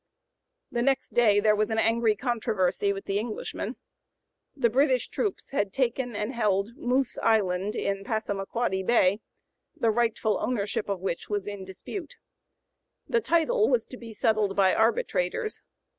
'" The next day there was an angry controversy (p. 091) with the Englishmen. The British troops had taken and held Moose Island in Passamaquoddy Bay, the rightful ownership of which was in dispute. The title was to be settled by arbitrators.